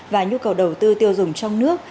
và nhu cầu đầu tư tiêu dùng trong nước